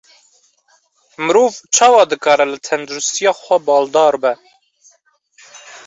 Mirov çawa dikare li tenduristiya xwe baldar be?